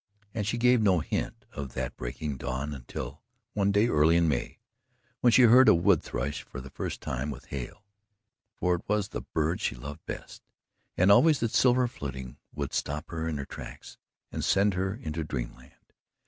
And she gave no hint of that breaking dawn until one day early in May, when she heard a woodthrush for the first time with Hale: for it was the bird she loved best, and always its silver fluting would stop her in her tracks and send her into dreamland.